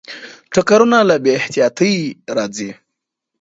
ټکرونه له بې احتیاطۍ راځي.